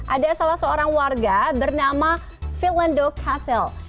ada salah seorang warga bernama filendo castle